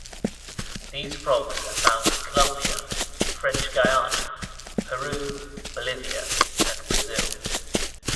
These frogs are found in Colombia, French Guiana, Peru, Bolivia, and Brazil.